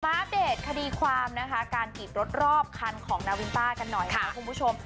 อัปเดตคดีความนะคะการกรีดรถรอบคันของนาวินต้ากันหน่อยค่ะคุณผู้ชม